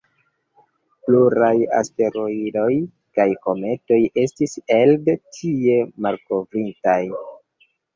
Pluraj asteroidoj kaj kometoj estis elde tie malkovritaj.